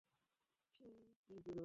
ইকরামা তা বললেন।